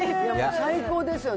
最高ですよ。